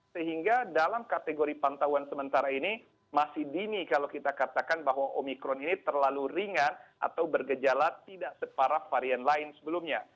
sehingga dalam kategori pantauan sementara ini masih dini kalau kita katakan bahwa omikron ini terlalu ringan atau bergejala tidak separah varian lain sebelumnya